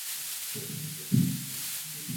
তার বিশ্বাস ছিল কাটিয়ে উঠবে।